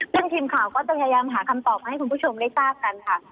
ซึ่งทีมข่าวก็จะพยายามหาคำตอบมาให้คุณผู้ชมได้ทราบกันค่ะ